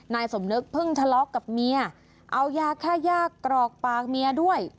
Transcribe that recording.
นายสมนึกเพิ่งทะเลาะกับเมียเอายาค่าย่ากรอกปากเมียด้วย